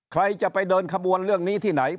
ใครจะไปเดินขบวนเรื่องนี้ที่ไหน